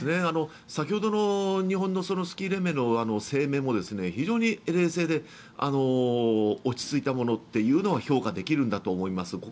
先ほどの日本のスキー連盟の声明も非常に冷静で落ち着いたものというのは評価できるんだと思います。